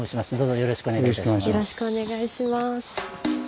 よろしくお願いします。